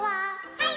はい！